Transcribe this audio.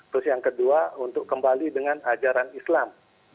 terus yang kedua untuk kembali dengan ajaran islam